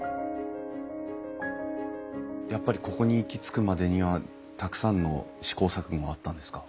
やっぱりここに行き着くまでにはたくさんの試行錯誤があったんですか？